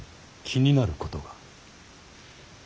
気になること。